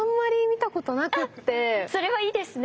それはいいですね。